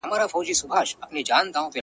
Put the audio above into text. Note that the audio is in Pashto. چي له چا سره به نن شپه زما جانان مجلس کوینه،